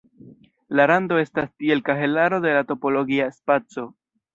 La rando estas tiel kahelaro de la topologia spaco.